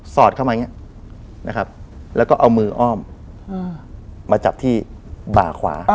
อดเข้ามาอย่างนี้นะครับแล้วก็เอามืออ้อมมาจับที่บ่าขวา